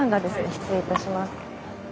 失礼いたします。